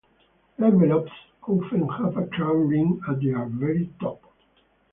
Envelopes often have a crown ring at their very top.